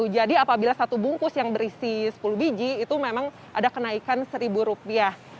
jadi apabila satu bungkus yang berisi sepuluh biji itu memang ada kenaikan seribu rupiah